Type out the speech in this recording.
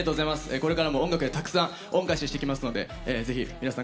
これからも音楽でたくさん恩返ししていきますのでぜひ皆さん